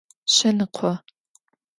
Şsenıkho.